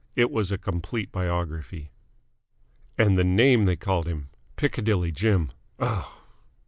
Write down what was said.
It was a complete biography. And the name they called him. Piccadilly Jim! Ugh!